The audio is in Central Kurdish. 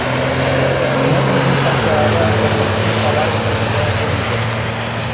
مۆنجی پەژارە پەرۆشی قەڵای پڕ هیوای دڵی برد!